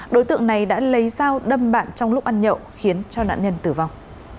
đối tượng này đã lấy dao đâm bạn trong lúc ăn nhậu khiến cho nạn nhân tử vong